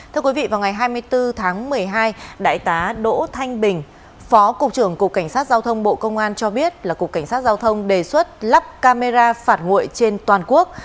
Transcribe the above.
thưa quý vị vào ngày hai mươi bốn tháng một mươi hai đại tá đỗ thanh bình phó cục trưởng cục cảnh sát giao thông bộ công an cho biết là cục cảnh sát giao thông đề xuất lắp camera phạt nguội trên toàn quốc